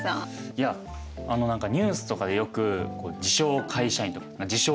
いやあの何かニュースとかでよく自称会社員とか自称